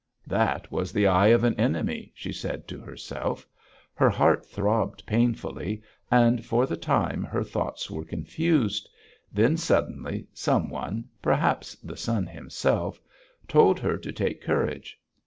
"That was the eye of an enemy," she said to herself. Her heart throbbed painfully; and for the time her thoughts were confused. Then, suddenly, some one, perhaps the sun himself, told her to take courage.